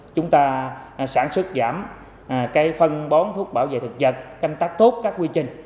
chúng ta sản xuất giảm phân bón thuốc bảo vệ thực dật canh tác tốt các quy trình